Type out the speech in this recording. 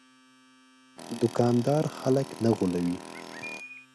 دوکاندار خلک نه غولوي.